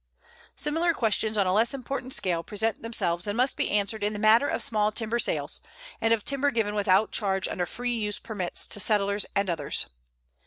Similar questions on a less important scale present themselves and must be answered in the matter of small timber sales, and of timber given without charge under free use permits to settlers and others.